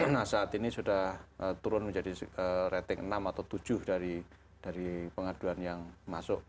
karena saat ini sudah turun menjadi rating enam atau tujuh dari pengaduan yang masuk